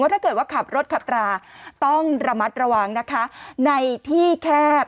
ถ้าเกิดว่าขับรถขับราต้องระมัดระวังนะคะในที่แคบ